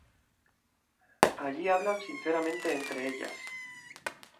Allí hablan sinceramente entre ellas.